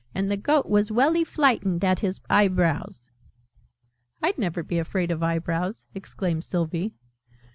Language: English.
And the Goat was welly flightened at his eyebrows!" "I'd never be afraid of eyebrows!" exclaimed Sylvie.